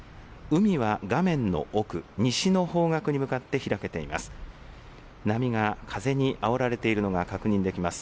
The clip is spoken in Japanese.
海は画面の奥、西の方角に向かって開けています。